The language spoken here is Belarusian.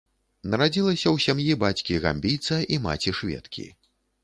Нарадзілася ў сям'і бацькі-гамбійца і маці-шведкі.